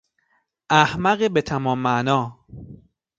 احمق به تمام معنا